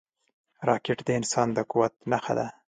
راکټ د انسان د قوت نښه ده